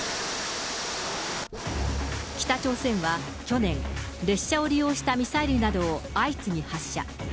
北朝鮮は去年、列車を利用したミサイルなどを相次ぎ発射。